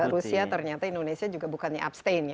rusia ternyata indonesia juga bukannya abstain ya